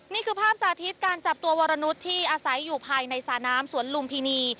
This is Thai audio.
นี่คือภาพสาธิตการจับตัววรนุษย์ที่อาศัยอยู่ภายในสาน้ำสวนลุมพินี